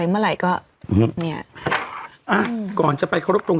เราก็มีความหวังอะ